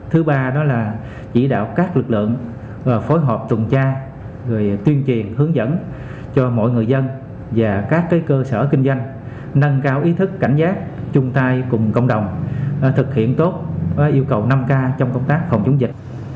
thứ ba đó là chỉ đạo các lực lượng phối hợp trùng cha rồi tuyên truyền hướng dẫn cho mọi người dân và các cơ sở kinh doanh nâng cao ý thức cảnh giác chung tay cùng cộng đồng thực hiện tốt yêu cầu năm k trong công tác phòng chống dịch